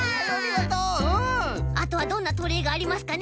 あとはどんなトレーがありますかね？